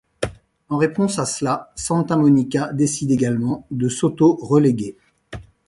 En réponse à cela, Santa Monica décide également de s'auto-reléguer.